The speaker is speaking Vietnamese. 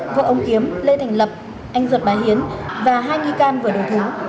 vợ ông kiếm lê thành lập anh ruột bà hiến và hai nghi can vừa đầu thú